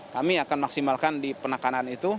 kami akan maksimalkan di penekanan itu